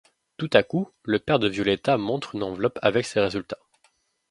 Tout à coup le père de Violetta montre une enveloppe avec ses résultats.